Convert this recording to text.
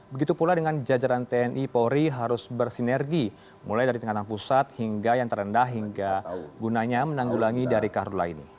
begitu pula dengan jajaran tni polri harus bersinergi mulai dari tingkatan pusat hingga yang terendah hingga gunanya menanggulangi dari kardula ini